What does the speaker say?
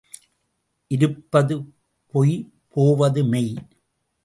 இருப்பது பொய் போவது மெய்.